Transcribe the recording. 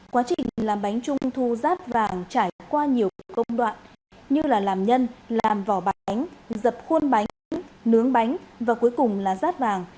quá trình làm bánh trung thu rát vàng trải qua nhiều công đoạn như là làm nhân làm vỏ bánh dập khuôn bánh nướng bánh và cuối cùng là rát vàng